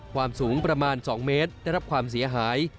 ความสูงประมาณ๒เมตรได้รับความเสียหาย